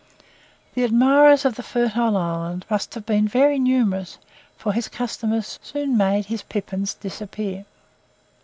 The admirers of the fertile island must have been very numerous, for his customers soon made his pippins disappear.